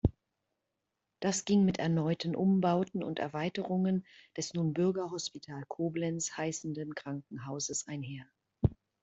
Das ging mit erneuten Umbauten und Erweiterungen des nun „Bürgerhospital Koblenz“ heißenden Krankenhauses einher.